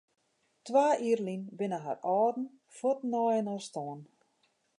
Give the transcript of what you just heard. Twa jier lyn binne har âlden fuort nei inoar stoarn.